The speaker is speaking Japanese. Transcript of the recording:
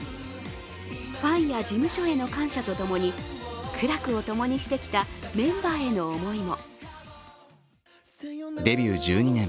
ファンや事務所への感謝とともに苦楽を共にしてきたメンバーへの思いも。